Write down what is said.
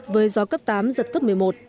với gió cấp tám giật cấp một mươi một